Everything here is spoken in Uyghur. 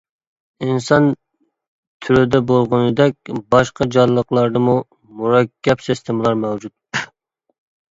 ئىنسان تۈرىدە بولغىنىدەك، باشقا جانلىقلاردىمۇ مۇرەككەپ سىستېمىلار مەۋجۇت.